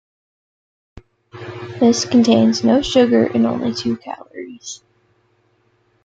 This contains no sugar and only two calories.